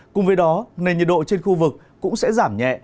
cùng với đó nền nhiệt độ trên khu vực cũng sẽ giảm nhẹ